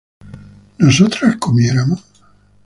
¿nosotras comiéramos?